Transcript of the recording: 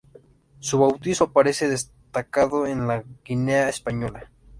Su bautizo aparece destacado en "La Guinea Española".